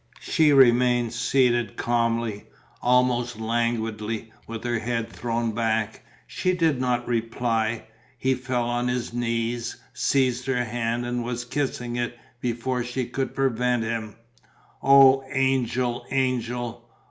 She remained seated calmly, almost languidly, with her head thrown back. She did not reply. He fell on his knees, seized her hand and was kissing it before she could prevent him: "Oh, angel, angel.